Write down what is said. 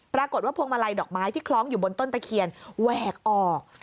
พวงมาลัยดอกไม้ที่คล้องอยู่บนต้นตะเคียนแหวกออก